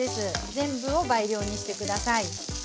全部を倍量にして下さい。